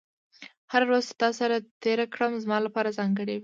هره ورځ چې تا سره تېره کړم، زما لپاره ځانګړې وي.